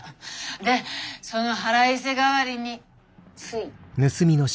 でその腹いせ代わりについ。